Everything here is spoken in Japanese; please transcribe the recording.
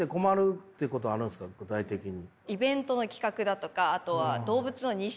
具体的に。